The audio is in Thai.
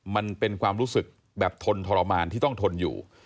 มันเป็นความรู้สึกแบบทนทรมานที่ต้องทนอยู่